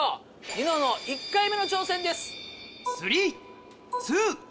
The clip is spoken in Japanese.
ニノの１回目の挑戦です。